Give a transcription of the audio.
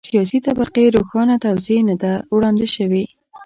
سیاسي طبقې روښانه توضیح نه ده وړاندې شوې.